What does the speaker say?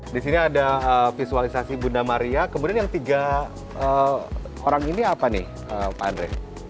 di sini ada visualisasi bunda maria kemudian yang tiga orang ini apa nih pak andre